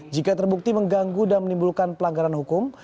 jika terbukti mengganggu dan menimbulkan pelanggaran hukum